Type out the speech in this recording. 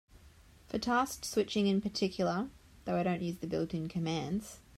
For task switching in particular, though, I don't use the built-in commands.